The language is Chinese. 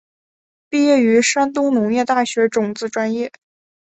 毕业于山东农业大学种子专业。